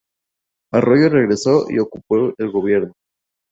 Arroyo regresó y ocupó el gobierno.